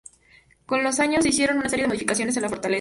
Con los años, se hicieron una serie de modificaciones en la fortaleza.